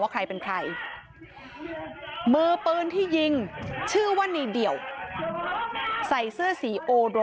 ว่าใครเป็นใครมือปืนที่ยิงชื่อว่านี่เดี๋ยวใส่เสื้อสี